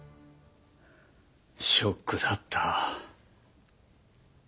ショックだった。